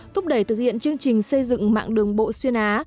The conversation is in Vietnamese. thúc đẩy thực hiện chương trình xây dựng mạng đường bộ xuyên á